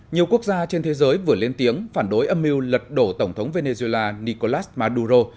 nhiều quốc gia trên thế giới vừa lên tiếng phản đối âm mưu lật đổ tổng thống venezuela nicolas maduro